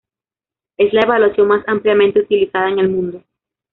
Es la evaluación más ampliamente utilizada en el mundo.